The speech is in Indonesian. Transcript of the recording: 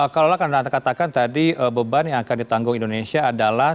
kalau anda katakan tadi beban yang akan ditanggung indonesia adalah